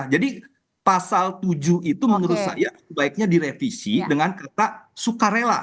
jadi pasal tujuh itu menurut saya sebaiknya direvisi dengan kata sukarela